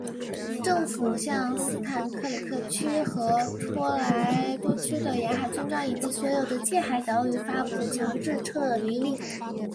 政府向斯坦克里克区和托莱多区的沿海村庄以及所有的近海岛屿发布强制撤离令。